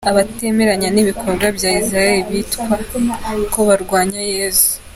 Abatemeranya n’ibikorwa bya Israel bitwa ko barwanya Yezu.